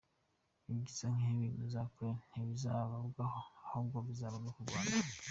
Ibyiza n’ibibi muzakora ntibizabarwaho ahubwo bizabarwa ku Rwanda.